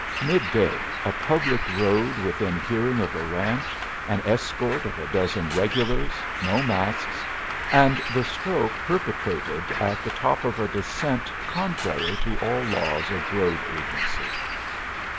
Mid day, a public road within hearing of a ranch, an escort of a dozen regulars, no masks, and the stroke perpetrated at the top of a descent, contrary to all laws of road agency.